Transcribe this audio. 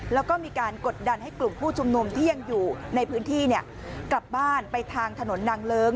แล้วก็มีการกดดันให้กลุ่มผู้ชุมนุมที่ยังอยู่ในพื้นที่กลับบ้านไปทางถนนนางเลิ้ง